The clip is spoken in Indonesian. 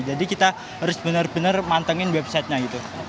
jadi kita harus bener bener mantengin websitenya gitu